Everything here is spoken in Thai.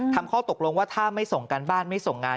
ข้อตกลงว่าถ้าไม่ส่งการบ้านไม่ส่งงาน